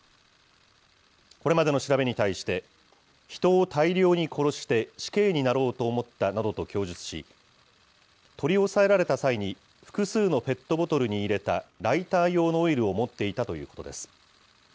これまでの調べに対して、人を大量に殺して死刑になろうと思ったなどと供述し、取り押さえられた際に複数のペットボトルに入れたライター用のオイルを持っていたということです。